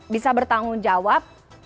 bisa bertanggung jawab